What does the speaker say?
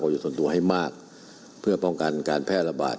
อยู่ส่วนตัวให้มากเพื่อป้องกันการแพร่ระบาด